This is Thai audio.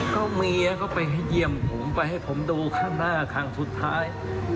ก็เมียก็ไปให้เยี่ยมผมไปให้ผมดูข้างหน้าครั้งสุดท้าย